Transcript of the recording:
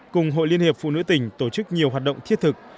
cùng hội liên hiệp phụ nữ tỉnh tổ chức nhiều hoạt động thiết thực